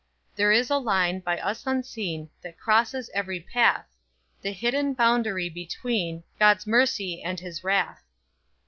"There is a line, by us unseen, That crosses every path, The hidden boundary between God's mercy and his wrath."